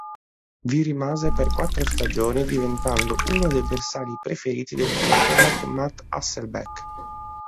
Vi rimase per quattro stagioni diventando uno dei bersagli preferiti del quarterback Matt Hasselbeck.